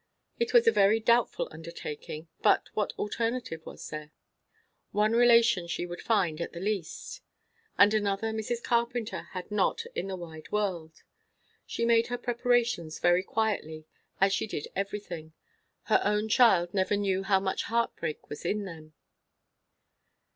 It was a very doubtful undertaking; but what alternative was there? One relation she would find, at the least; and another Mrs. Carpenter had not in the wide world. She made her preparations very quietly, as she did everything; her own child never knew how much heart break was in them.